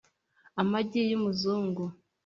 amagi y’umuzungu